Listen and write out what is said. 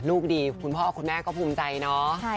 ลูกดีคุณพ่อคุณแม่ก็ภูมิใจเนาะ